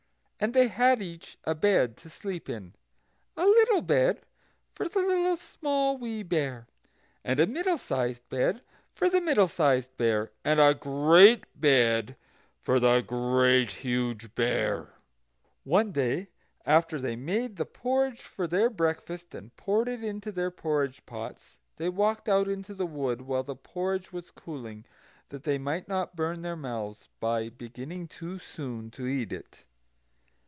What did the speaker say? And they had each a bed to sleep in, a little bed for the Little Small Wee Bear, and a middle sized bed for the Middle sized Bear, and a great bed for the Great Huge Bear. One day, after they had made the porridge for their breakfast, and poured it into their porridge pots, they walked out into the wood while the porridge was cooling, that they might not burn their mouths, by beginning too soon to eat it.